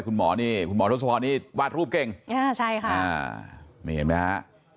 คุณหมอนี่วาดรูปเก่งใช่ค่ะอ่า